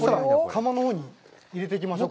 窯のほうに入れていきましょうか。